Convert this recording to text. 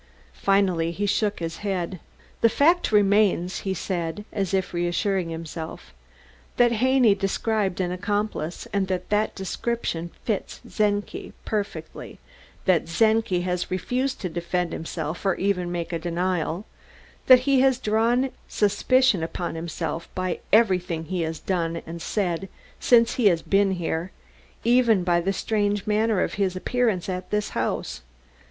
Finally he shook his head. "The fact remains," he said, as if reassuring himself, "that Haney described an accomplice, that that description fits Czenki perfectly, that Czenki has refused to defend himself or even make a denial; that he has drawn suspicion upon himself by everything he has done and said since he has been here, even by the strange manner of his appearance at this house.